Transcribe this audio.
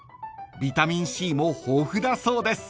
［ビタミンＣも豊富だそうです］